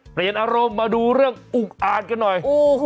เปลี่ยนอารมณ์มาดูเรื่องอุกอาจกันหน่อย